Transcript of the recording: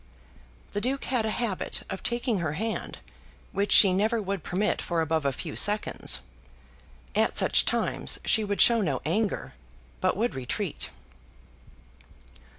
The Duke had a habit of taking her hand, which she never would permit for above a few seconds. At such times she would show no anger, but would retreat.